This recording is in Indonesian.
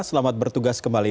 selamat bertugas kembali